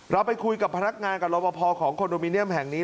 เราไปคุยกับพนักงานกับรบพอของคอนโดมิเนียมแห่งนี้